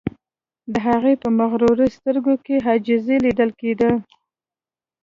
د هغه په مغرورو سترګو کې عاجزی لیدل کیده